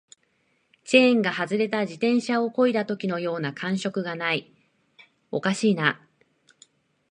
チェーンが外れた自転車を漕いだときのように感触がない、おかしいな